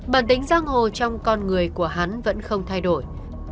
bản tính giang hồ trong con người của hắn vẫn không thay đổi